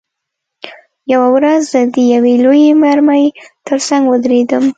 یوه ورځ زه د یوې لویې مرمۍ ترڅنګ ودرېدم